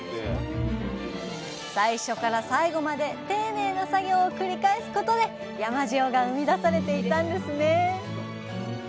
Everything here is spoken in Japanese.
最初から最後まで丁寧な作業を繰り返すことで山塩が生み出されていたんですね。